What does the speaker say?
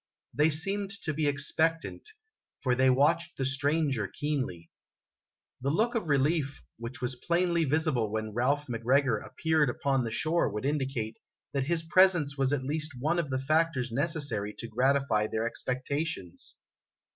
They seemed to be expectant, for they watched the stranger keenly. The look of relief which was plainly visible when Ralph Mc Gregor appeared upon the shore would indicate that his presence was at least one of the factors necessary to gratify their expectations.